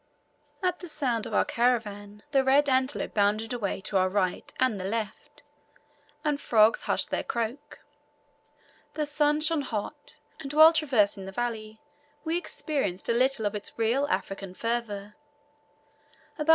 At the sound of our caravan the red antelope bounded away to our right and the left, and frogs hushed their croak. The sun shone hot, and while traversing the valley we experienced a little of its real African fervour.